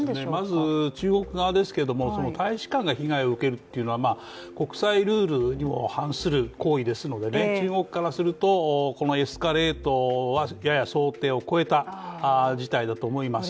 まず中国側ですけれども大使館が被害を受けるというのは国際ルールに反する行為ですので中国からすると、このエスカレートはやや想定を超えた事態だと思います。